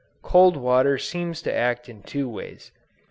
Cold water seems to act in two ways.